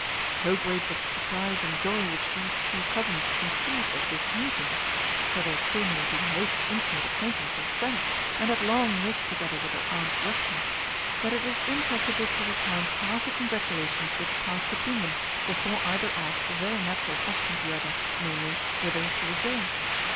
So great was the surprize and joy which these two cousins conceived at this meeting (for they had formerly been most intimate acquaintance and friends, and had long lived together with their aunt Western), that it is impossible to recount half the congratulations which passed between them, before either asked a very natural question of the other, namely, whither she was going?